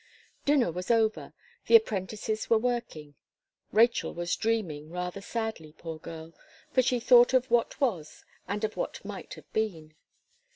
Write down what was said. Dinner was over the apprentices were working Rachel was dreaming, rather sadly, poor girl! for she thought of what was, and of what might have been.